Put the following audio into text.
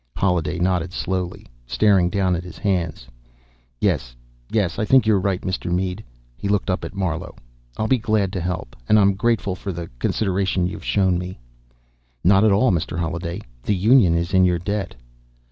Holliday nodded slowly, staring down at his hands. "Yes, yes, I think you're right, Mr. Mead." He looked up at Marlowe. "I'll be glad to help. And I'm grateful for the consideration you've shown me." "Not at all, Mr. Holliday. The Union is in your debt."